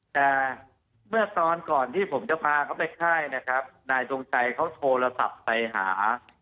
แต่เมื่อตอนก่อนที่ผมจะพาเขาไปค่ายนะครับนายทรงชัยเขาโทรศัพท์ไปหา